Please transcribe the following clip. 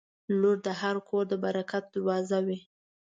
• لور د هر کور د برکت دروازه وي.